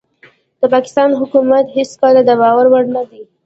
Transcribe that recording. د پاکستان حکومت هيڅکله دباور وړ نه دي